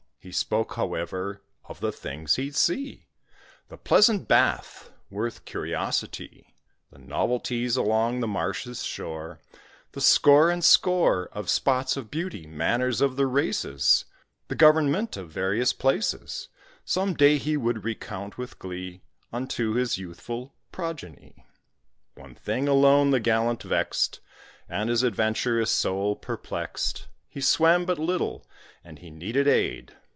He spoke, however, of the things he'd see: The pleasant bath, worth curiosity; The novelties along the marsh's shore, The score and score Of spots of beauty, manners of the races, The government of various places, Some day he would recount with glee Unto his youthful progeny; One thing alone the gallant vexed, And his adventurous soul perplexed; He swam but little, and he needed aid.